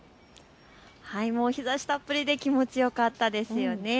日ざしたっぷりで気持ちよかったですね。